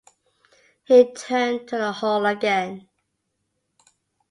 He turned to the hall again.